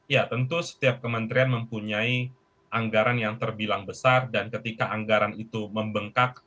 ya tentu setiap kementerian mempunyai anggaran yang terbilang besar dan ketika anggaran itu membengkak